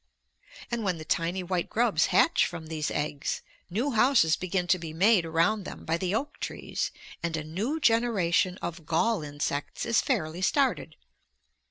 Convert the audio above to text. And when the tiny white grubs hatch from these eggs, new houses begin to be made around them by the oak trees, and a new generation of gall insects is fairly started.